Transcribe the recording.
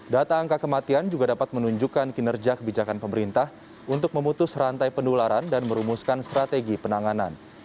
data angka kematian juga dapat menunjukkan kinerja kebijakan pemerintah untuk memutus rantai penularan dan merumuskan strategi penanganan